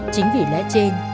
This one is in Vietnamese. chính vì lẽ trên